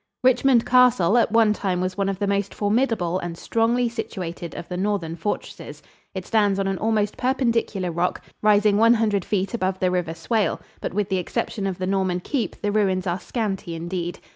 Richmond Castle at one time was one of the most formidable and strongly situated of the northern fortresses. It stands on an almost perpendicular rock, rising one hundred feet above the River Swale, but with the exception of the Norman keep the ruins are scanty indeed.